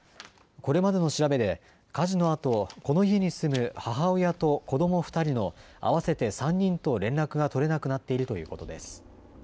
これまでの調べで火事のあとこの家に住む母親と子ども２人の合わせて３人と連絡が取れなくなっているということです。